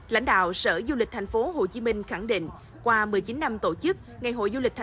lãnh đạo sở du lịch tp hcm khẳng định qua một mươi chín năm tổ chức